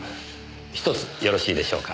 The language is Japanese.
１つよろしいでしょうか。